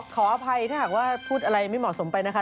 ขออภัยถ้าหากว่าพูดอะไรไม่เหมาะสมไปนะคะ